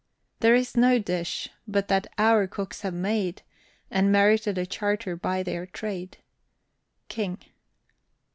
There is no dish, but what our cooks have made And merited a charter by their trade. KING.